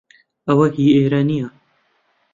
ئەوە هی ئێرە نییە.